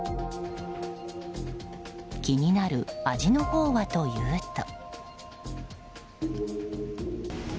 気になる味のほうはというと。